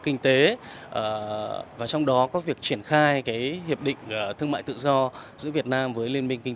kinh tế và trong đó có việc triển khai hiệp định thương mại tự do giữa việt nam với liên minh kinh